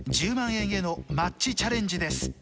１０万円へのマッチチャレンジです。